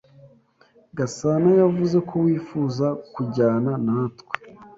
Gasanayavuze ko wifuza kujyana natwe.